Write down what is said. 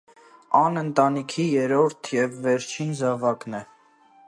Ան ընտանիքի երրորդ եւ վերջին զաւակն է։